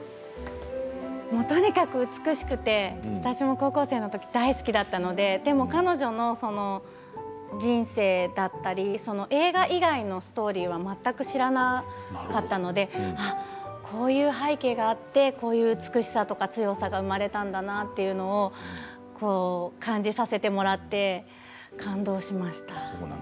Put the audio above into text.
とにかく美しくて私も高校生のとき大好きだったので、でも彼女の人生だったり映画以外のストーリーは全く知らなかったのでこういう背景があってこういう美しさとか強さが生まれたんだなっていうの感じさせてもらって感動しました。